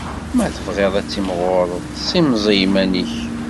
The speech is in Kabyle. Ma tebɣiḍ ad timɣuṛeḍ, ssemẓi iman-ik!